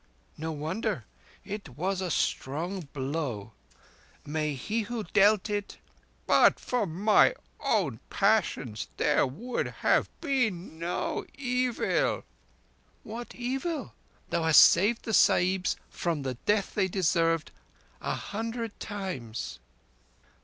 "No wonder. It was a strong blow. May he who dealt it—" "But for my own passions there would have been no evil." "What evil? Thou hast saved the Sahibs from the death they deserved a hundred times."